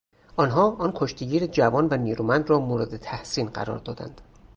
آنها آن کشتیگیر جوان و نیرومند را مورد تحسین قرار دادند.